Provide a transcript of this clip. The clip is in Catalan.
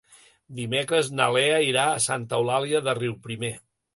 Dimecres na Lea irà a Santa Eulàlia de Riuprimer.